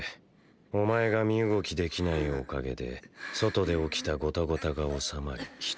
お前が身動きできないおかげで外で起きたゴタゴタが収まりハァウッ。